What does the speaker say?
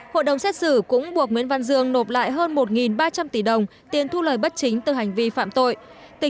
hội đồng xét xử cũng buộc nguyễn văn dương nộp lại hơn một ba trăm linh tỷ đồng tiền thu lời bất chính từ hành vi phạm tội